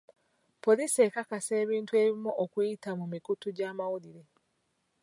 Poliisi ekakasa ebintu ebimu okuyita mu mikutu gy'amawulire.